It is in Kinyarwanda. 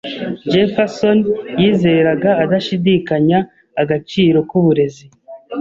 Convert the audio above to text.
Jefferson yizeraga adashidikanya agaciro k'uburezi.